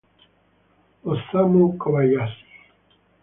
Osamu Kobayashi